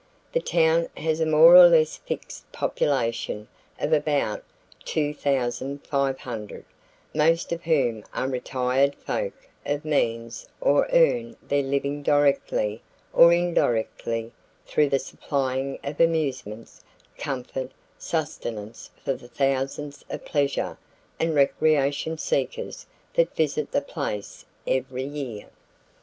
The town has a more or less fixed population of about 2,500, most of whom are retired folk of means or earn their living directly or indirectly through the supplying of amusements, comfort, and sustenance for the thousands of pleasure and recreation seekers that visit the place every year.